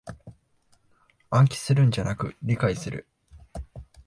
暗記するんじゃなく理解する